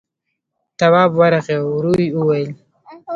تواب ورغی، ورو يې وويل: